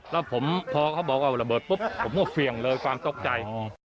แล้วผมพอเขาบอกว่าระเบิดปุ๊บผมก็เสี่ยงเลยความตกใจ